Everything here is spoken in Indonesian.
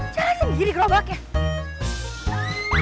jalan sendiri gerobaknya